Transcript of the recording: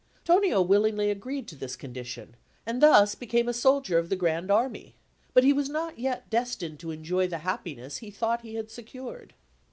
Tonio willingly agreed to this condition, and thus became a soldier of the Grand Army; but he was not yet destined to enjoy the happiness he thought he had secured.